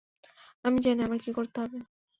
আমি জানি আমার কী করতে হবে।